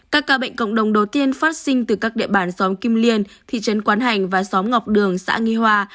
các ca bệnh cộng đồng đầu tiên phát sinh từ các địa bàn xóm kim liên thị trấn quán hành và xóm ngọc đường xã nghi hoa